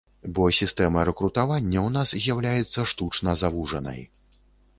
Бо сістэма рэкрутавання ў нас з'яўляецца штучна завужанай.